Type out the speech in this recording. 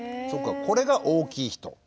そうかこれが大きい人。